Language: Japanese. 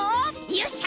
よっしゃ！